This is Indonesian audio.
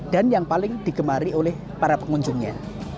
dan yang paling digemari oleh para pengunjungnya